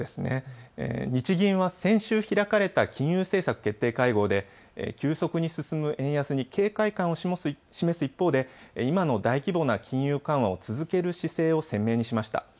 日銀は先週開かれたた金融政策決定会合で急速に進む円安に警戒感を示す一方で今の大規模な金融緩和を続ける姿勢を鮮明にしました。